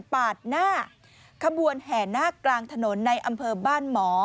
ปาดหน้าขบวนแห่นาคกลางถนนในอำเภอบ้านหมอ